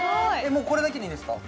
もうこれだけでいいんですか？